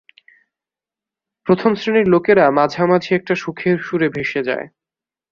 প্রথম শ্রেণীর লোকেরা মাঝামাঝি একটা সুখের সুরে ভেসে যায়।